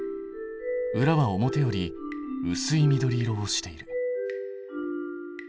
裏は表よりうすい緑色をしている。